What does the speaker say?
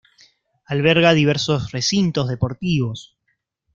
Alberga diversos recintos deportivos.